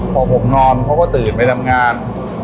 พอผมนอนเขาก็ตื่นไปทำงาน